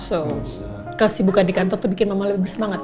so kesibukan di kantor tuh bikin mama lebih bersemangat